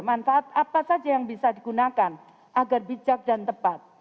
manfaat apa saja yang bisa digunakan agar bijak dan tepat